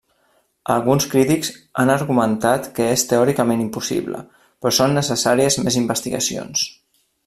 Alguns crítics han argumentat que és teòricament impossible, però són necessàries més investigacions.